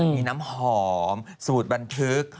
มีน้ำหอมสูตรบันทึก